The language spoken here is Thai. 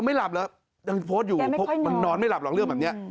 ไม่หลับเหรอยังโพสต์อยู่เพราะมันนอนไม่หลับหรอกเรื่องแบบนี้